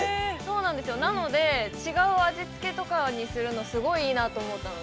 なので、違う味つけとかにするの、すごいいいなと思ったので。